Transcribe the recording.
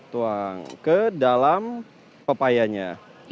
tuang ke dalam pepayanya